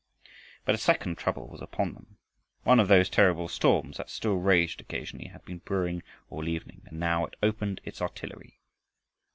But a second trouble was upon them. One of those terrible storms that still raged occasionally had been brewing all evening, and now it opened its artillery.